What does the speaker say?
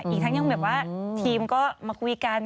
อีกทั้งยังแบบว่าทีมก็มาคุยกัน